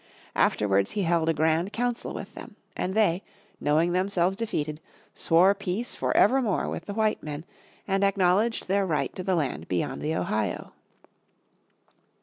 Afterwards he held a grand council with them. And they, knowing themselves defeated, swore peace forevermore with the white men, and acknowledged their right to the land beyond the Ohio.